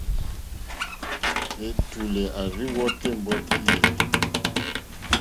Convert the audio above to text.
Ɛ̀tùlɛ̀ à rzí wɔ́tè ɛ̀mbɔ́tí yèní.